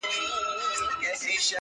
د توري ټپ به جوړسي، د ژبي ټپ نه جوړېږي.